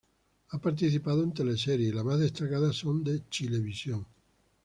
Ha participado en teleseries y las más destacadas son de Chilevisión.